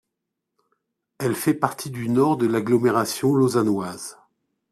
Elle fait partie du nord de l’agglomération lausannoise.